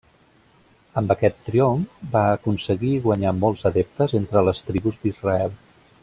Amb aquest triomf, va aconseguir guanyar molts adeptes entre les tribus d'Israel.